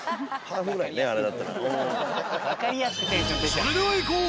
それではいこう。